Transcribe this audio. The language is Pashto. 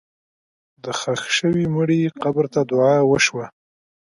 د ښخ شوي مړي قبر ته دعا وشوه.